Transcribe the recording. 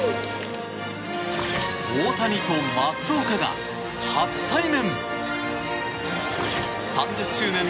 大谷と松岡が初対面。